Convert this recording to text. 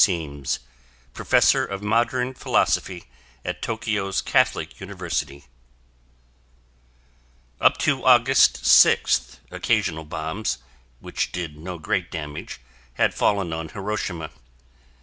Siemes, professor of modern philosphy at Tokyo's Catholic University Up to August 6th, occasional bombs, which did no great damage, had fallen on Hiroshima.